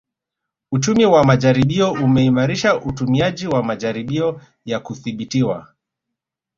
Uchumi wa majaribio umeimarisha utumiaji wa majaribio ya kudhibitiwa